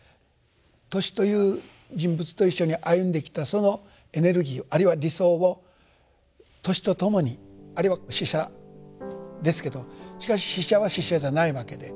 トシという人物と一緒に歩んできたそのエネルギーをあるいは理想をトシと共にあるいは死者ですけどしかし死者は死者じゃないわけで。